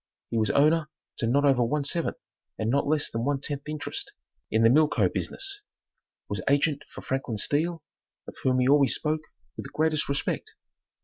He was owner to not over one seventh and not less than one tenth interest in the Mill Co. business was agent for Franklin Steele, of whom he always spoke with the greatest respect.